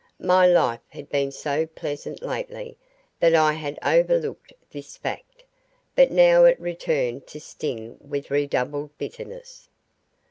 My life had been so pleasant lately that I had overlooked this fact, but now it returned to sting with redoubled bitterness.